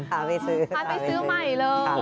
พาไปซื้อใหม่เลย